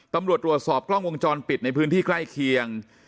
ตำรวจตรวจสอบกล้องวงจรปิดในพื้นที่ใกล้เคียง